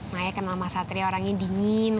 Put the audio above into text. maya kenal mas satria orangnya dingin